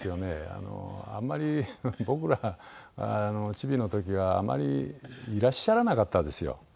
あんまり僕がチビの時はあまりいらっしゃらなかったですよ。